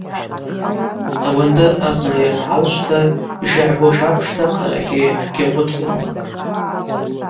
Ауандыр абна йангӏалшвтра йшыгӏбуш апшта хъарагьи хӏгьакъвыцӏуам.